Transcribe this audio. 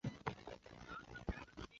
并宣布于演艺圈中隐退。